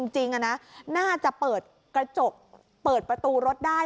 จริงน่าจะเปิดกระจกเปิดประตูรถได้